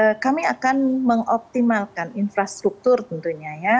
ya kami akan mengoptimalkan infrastruktur tentunya ya